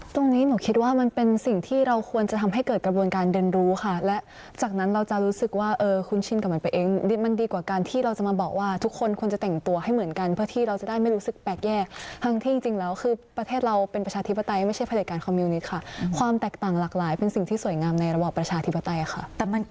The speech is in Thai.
ตรงนี้หนูคิดว่ามันเป็นสิ่งที่เราควรจะทำให้เกิดกระบวนการเรียนรู้ค่ะและจากนั้นเราจะรู้สึกว่าเออคุ้นชินกับมันไปเองมันดีกว่าการที่เราจะมาบอกว่าทุกคนควรจะแต่งตัวให้เหมือนกันเพื่อที่เราจะได้ไม่รู้สึกแปลกแยกทั้งที่จริงแล้วคือประเทศเราเป็นประชาธิปไตยไม่ใช่ผลิตการคอมมิวนิตค่ะความแตกต่างหลากหลายเป็นสิ่งที่สวยงามในระบอบประชาธิปไตยค่ะ